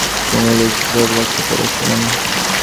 তিনি উল্লেখযোগ্য প্রভাব রাখতে পেরেছিলেন।